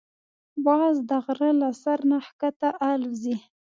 باز د غره له سر نه ښکته الوزي